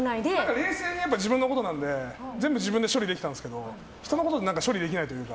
冷静に自分のことなので全部自分で処理できたんですけど人のことは処理できないというか。